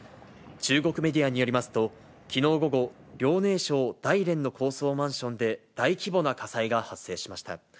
中国メディアによりますと、きのう午後、遼寧省大連の高層マンションで大規模な火災が発生しました。